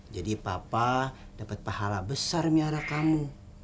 jadi papa dapat pahala besar miara kamu